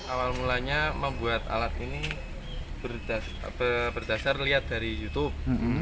awal mulanya membuat alat ini berdasar lihat dari youtube